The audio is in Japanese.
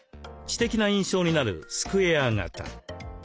知的な印象になるスクエア型。